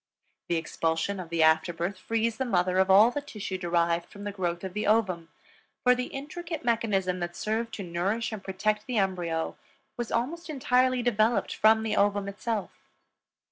The expulsion of the after birth frees the mother of all the tissue derived from the growth of the ovum, for the intricate mechanism that served to nourish and protect the embryo was almost entirely developed from the ovum itself.